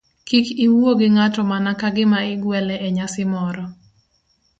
Kik iwuo gi ng'ato mana ka gima igwele e nyasi moro.